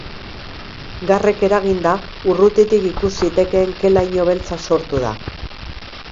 Garrek eraginda, urrutitik ikus zitekeen ke-laino beltza sortu da.